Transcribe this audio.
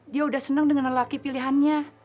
dia udah seneng dengan laki laki pilihannya